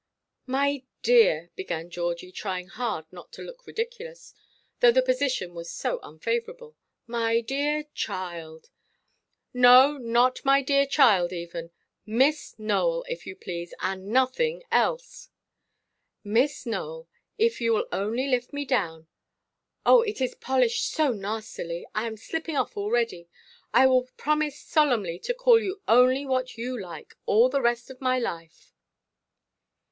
"My dear," began Georgie, trying hard not to look ridiculous—though the position was so unfavourable—"my dear child——" "No, not my dear child, even! Miss Nowell, if you please, and nothing else." "Miss Nowell, if you will only lift me down—oh, it is polished so nastily, I am slipping off already—I will promise solemnly to call you only what you like, all the rest of my life."